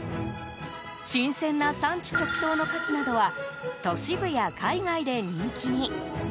新鮮な産地直送のカキなどは都市部や海外で人気に。